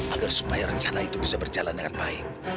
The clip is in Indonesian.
agar supaya rencana itu bisa berjalan dengan baik